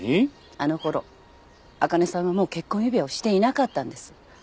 あのころあかねさんはもう結婚指輪をしていなかったんです。